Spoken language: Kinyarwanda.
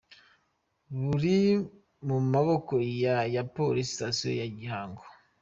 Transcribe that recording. Bari mu maboko ya ya police station ya Gihango.